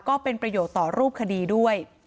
ก็เป็นประโยชน์ต่อรูปคดีด้วย